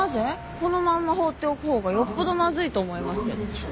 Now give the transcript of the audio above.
このまんま放っておく方がよっぽどまずいと思いますけど。